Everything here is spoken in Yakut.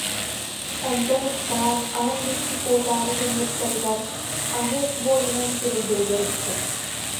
Онтон ыксаан, аан диэки куотаары гыммыттарыгар, аны буорунан сирэйдэригэр ыспыт